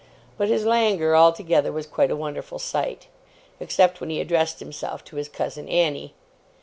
But his languor altogether was quite a wonderful sight; except when he addressed himself to his cousin Annie.